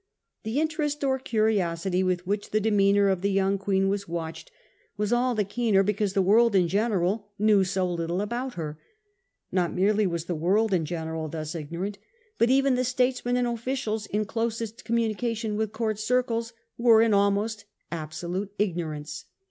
The interest or curiosity with which the demean our of the young Queen was watched was all the keener because the world in general knew so little about her. Not merely was the world in general thus ignorant, but even the statesmen and officials in closest communication with court circles were in alm ost absolute ignorance.